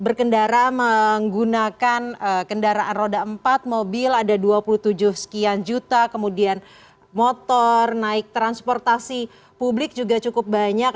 berkendara menggunakan kendaraan roda empat mobil ada dua puluh tujuh sekian juta kemudian motor naik transportasi publik juga cukup banyak